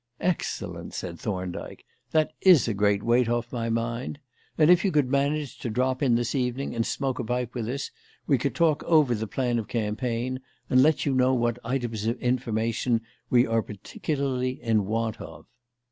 "Excellent!" said Thorndyke. "That is a great weight off my mind. And if you could manage to drop in this evening and smoke a pipe with us we could talk over the plan of campaign and let you know what items of information we are particularly in want of."